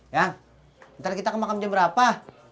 yang ntar kita ke makam jam berapa